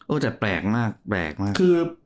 โอ้ยแต่แปลกมาก